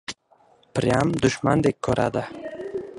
pryam dushmandek ko‘radi.